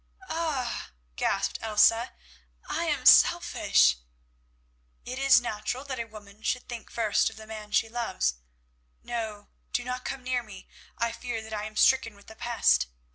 "Ah!" gasped Elsa, "I am selfish." "It is natural that a woman should think first of the man she loves. No, do not come near me; I fear that I am stricken with the pest."